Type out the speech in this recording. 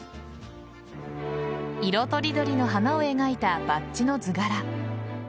色とりどりの花を描いたバッジの図柄。